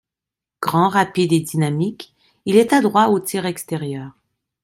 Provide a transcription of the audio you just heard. Grand rapide et dynamique, il est adroit au tir extérieur.